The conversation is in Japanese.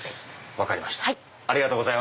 分かりました。